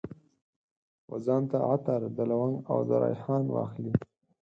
وځان ته عطر، د لونګ او دریحان واخلي